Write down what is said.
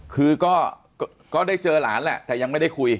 คือก็ได้เจอหลานแหละแต่ยังไม่ได้คุย